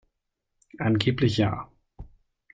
Angeblich ja.